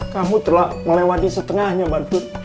kamu telah melewati setengahnya mbak put